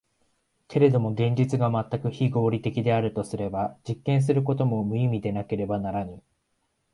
けれども現実が全く非合理的であるとすれば、実験することも無意味でなければならぬ。